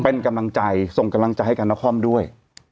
เป็นกำลังใจส่งกำลังใจให้กับนครด้วย